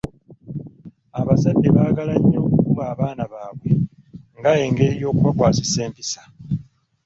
Abazadde baagala nnyo okukuba abaana baabwe nga engeri y'okubakwasisa empisa.